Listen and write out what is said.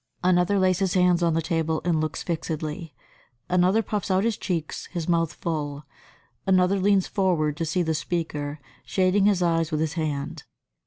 Another lays his hands on the table and looks fixedly. Another puffs out his cheeks, his mouth full. Another leans forward to see the speaker, shading his eyes with his hand.